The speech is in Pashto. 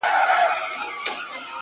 چي نه عادت نه ضرورت وو، مينا څه ډول وه،